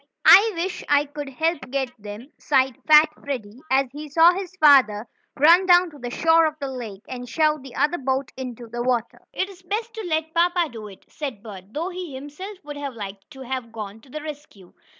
"I wish I could help get them," sighed fat Freddie, as he saw his father run down to the shore of the lake, and shove the other boat into the water. "It's best to let papa do it," said Bert, though he himself would have liked to have gone to the rescue.